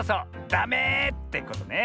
「ダメ！」ってことね。